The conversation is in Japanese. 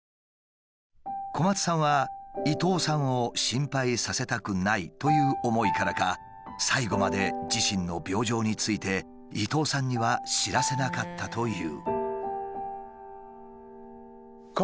小松さんは伊東さんを心配させたくないという思いからか最後まで自身の病状について伊東さんには知らせなかったという。